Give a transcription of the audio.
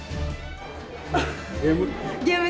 ゲーム？